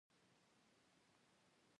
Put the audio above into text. پخپله یې هم پښتو شعر وایه په پښتو ژبه.